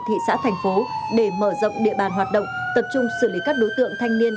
thị xã thành phố để mở rộng địa bàn hoạt động tập trung xử lý các đối tượng thanh niên